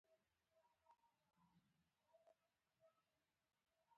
ور د غایب دریم شخص لوری ښيي.